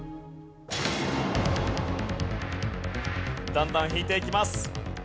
だんだん引いていきます。